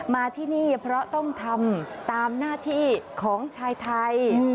มาที่นี่เพราะต้องทำตามหน้าที่ของชายไทย